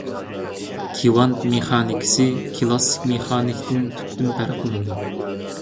كىۋانت مېخانىكىسى كىلاسسىك مېخانىكىدىن تۈپتىن پەرقلىنىدۇ.